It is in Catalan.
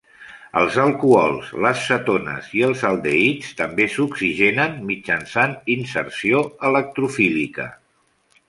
Els alcohols, les cetones i els aldehids també s'oxigenen mitjançant inserció electrofílica.